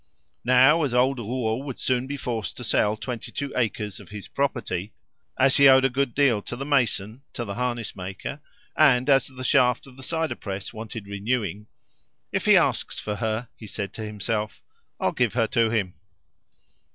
Now, as old Rouault would soon be forced to sell twenty two acres of "his property," as he owed a good deal to the mason, to the harness maker, and as the shaft of the cider press wanted renewing, "If he asks for her," he said to himself, "I'll give her to him."